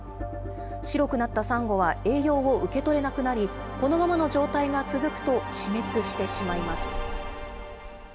白くなったサンゴは栄養を受け取れなくなり、このままの状態が続くと死滅してしまいます。